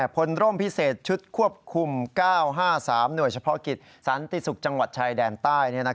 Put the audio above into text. พลร่มพิเศษชุดควบคุม๙๕๓หน่วยเฉพาะกิจสันติศุกร์จังหวัดชายแดนใต้